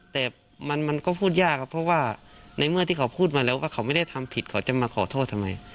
แต่มันก็พูดยากครับเพราะว่าในเมื่อที่เขาพูดมาแล้วว่าเขาไม่ได้ทำผิดเขาจะมาขอโทษทำไม